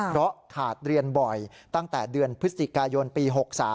เพราะขาดเรียนบ่อยตั้งแต่เดือนพฤศจิกายนปี๖๓